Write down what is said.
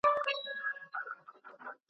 د هنر له ګوتو جوړي ګلدستې وې .